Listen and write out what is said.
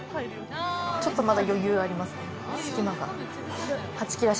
ちょっと、まだ余裕ありますね、隙間が。